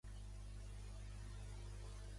i revela breument la seva abs